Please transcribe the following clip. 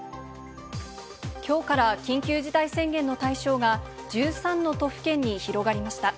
きょうから緊急事態宣言の対象が、１３の都府県に広がりました。